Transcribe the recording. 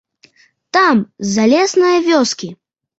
Там, з залеснае вёскі.